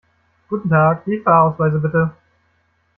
Guten Tag, die Fahrausweise bitte!